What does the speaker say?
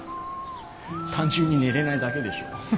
単純に寝れないだけでしょ。